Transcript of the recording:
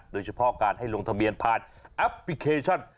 โดยเฉพาะการให้ลงทะเบียนผ่านแอปพลิเคชัน